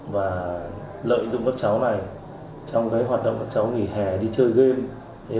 và lợi dụng các cháu này trong hoạt động các cháu nghỉ hè đi chơi game